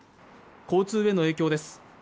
交通への影響です